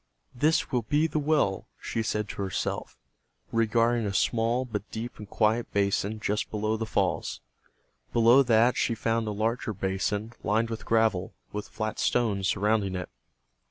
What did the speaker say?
"This will be the well," she said to herself, regarding a small but deep and quiet basin just below the falls. Below that she found a larger basin, lined with gravel, with flat stones surrounding it.